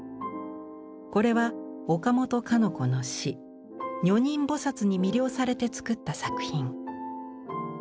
これは岡本かの子の詩「女人ぼさつ」に魅了されてつくった作品。